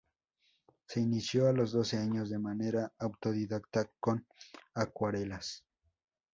Se inició a los doce años de manera autodidacta con acuarelas.